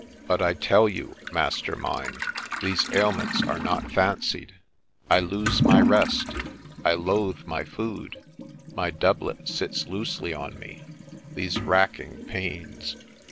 ' But I tell you, master mine, these ailments are not fancied. I lose my rest, I loathe my food, my doublet sits loosely on me, — these racking pains.